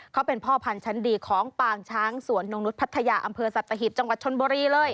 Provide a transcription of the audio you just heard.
เขาเป็นพ่อพันธ์ชั้นดีของปางช้างสวนนงนุษย์พัทยาอำเภอสัตหิบจังหวัดชนบุรีเลย